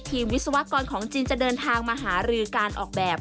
วิศวกรของจีนจะเดินทางมาหารือการออกแบบ